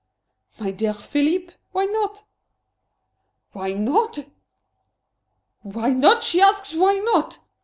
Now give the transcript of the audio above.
"My dear Philippe why not?" "Why not?" "Why not? She asks why not!"